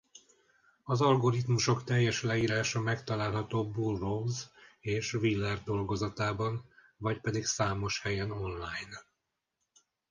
Az algoritmusok teljes leírása megtalálható Burrows és Wheeler dolgozatában vagy pedig számos helyen online.